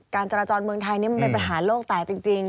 การจราจรเมืองไทยมันเป็นปัญหาโลกตายจริง